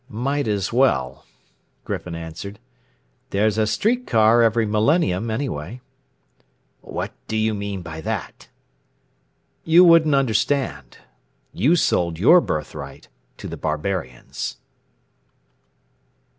"Might as well." Griffin answered. "There's a streetcar every millennium anyway." "What do you mean by that?" "You wouldn't understand. You sold your birthright to the barbarians."